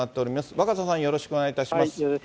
若狭さん、よろしくお願いいたします。